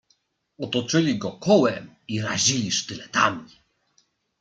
"Otoczyli go kołem i razili sztyletami."